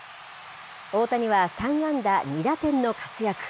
大谷は３安打２打点の活躍。